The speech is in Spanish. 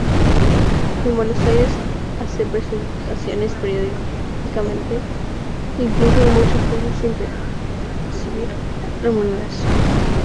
En Buenos Aires hace presentaciones periódicamente, incluso en muchos casos sin percibir remuneración.